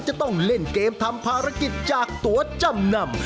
จะต้องเล่นเกมทำภารกิจจากตัวจำนำ